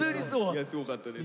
いやすごかったです。